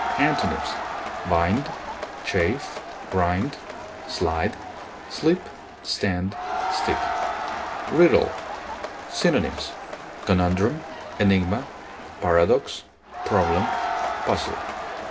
Antonyms: bind, chafe, grind, slide, slip, stand, stick. RIDDLE, n. Synonyms: conundrum, enigma, paradox, problem, puzzle.